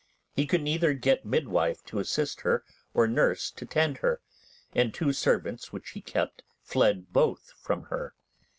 He could neither get midwife to assist her or nurse to tend her, and two servants which he kept fled both from her.